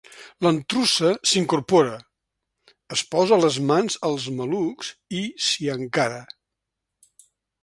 La intrusa s'incorpora, es posa les mans als malucs i s'hi encara.